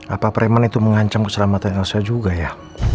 apa preman itu mengancam keselamatan saya juga ya